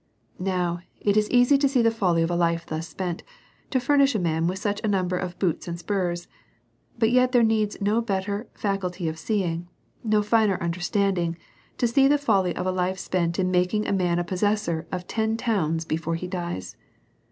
Now, it is easy to see the folly of a life thus spent to furnish a man with such a number of boots and spurs. But yet there needs no better faculty of see ing , no finer understanding, to see the folly of a life spent in making a man a possessor of ten towns be fore he dies.